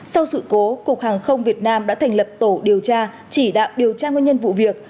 sau sự cố cục hàng không việt nam đã thành lập tổ điều tra chỉ đạo điều tra nguyên nhân vụ việc